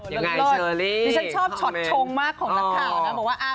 ยังไงเชอร์ลี่คอมเมนต์นี่ฉันชอบช็อตชงมากของนักข่าวนั้น